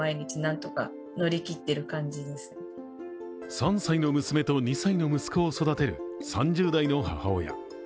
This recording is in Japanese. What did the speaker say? ３歳の娘と２歳の息子を育てる３０代の母親。